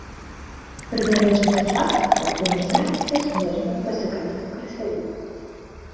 Прыбярэжная частка замярзае са снежня па сакавік-красавік.